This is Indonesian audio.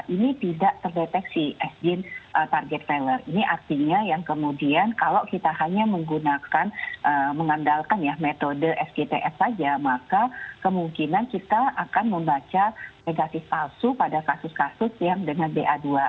ini tidak terdeteksi engine target seller ini artinya yang kemudian kalau kita hanya menggunakan mengandalkan ya metode sgts saja maka kemungkinan kita akan membaca negatif palsu pada kasus kasus yang dengan ba dua